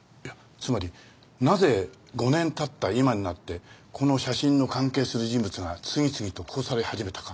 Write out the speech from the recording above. つまりなぜ５年経った今になってこの写真の関係する人物が次々と殺され始めたか。